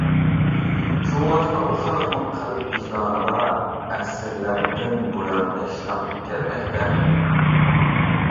شۇڭلاشقا ئۇ خەلقنىڭ قەلب ۋىجدانىدا ئەسىرلەردىن بۇيان ياشناپ كەلمەكتە.